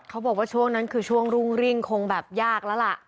เขาบอกว่าช่วงนั้นคือช่วงรุ่งริ่งคงแบบยากแล้วล่ะ